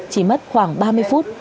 chỉ mất khoảng ba mươi phút